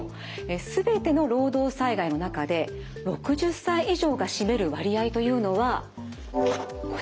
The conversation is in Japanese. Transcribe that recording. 全ての労働災害の中で６０歳以上が占める割合というのはこちら。